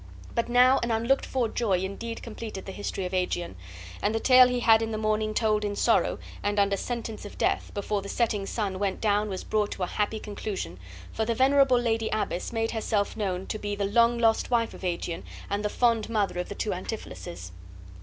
But now an unlooked for joy indeed completed the history of Aegeon; and the tale he had in the morning told in sorrow, and under sentence of death, before the setting sun went down was brought to a happy conclusion, for the venerable lady abbess made herself known to be the long lost wife of Aegeon and the fond mother of the two Antipholuses.